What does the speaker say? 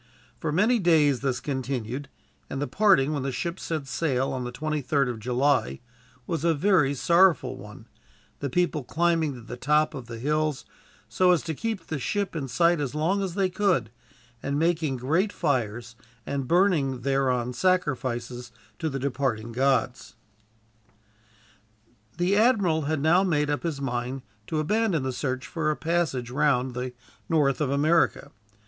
For many days this continued, and the parting, when the ship set sail on the 23rd of July, was a very sorrowful one, the people climbing to the top of the hills, so as to keep the ship in sight as long as they could, and making great fires and burning thereon sacrifices to the departing gods. The admiral had now made up his mind to abandon the search for a passage round the north of America.